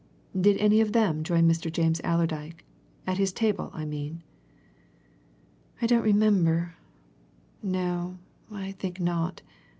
"Did any of them join Mr. James Allerdyke at his table, I mean?" "I don't remember no, I think not.